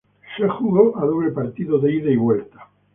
Se jugó a doble partido ida y vuelta.